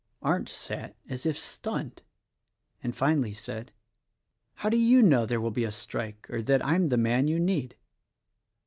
Arndt sat as if stunned, and finally said, "How do you know there will be a strike, or that I am the man you need?"